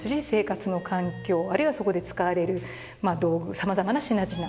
生活の環境あるいはそこで使われる道具さまざまな品々